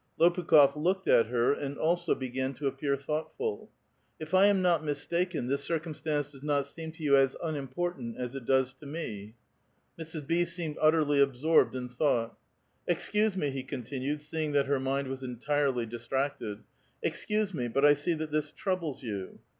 Lopukh6f looked at her and also began to appear thoughtful :— ^^If I am not mistaken, this circumstance does not seem to you as unimportant as it does to me !" Mrs. B. seemed utterly absorbed in thought. ^^ Excuse me," he continued, seeing that her mind was entirely distracted. *' Excuse me, but 1 see that this trou bles vou."